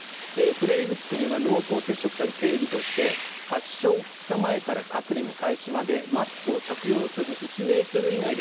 「プレーブック」には濃厚接触者の定義として発症２日前から隔離の開始までマスクを着用せず１ｍ以内で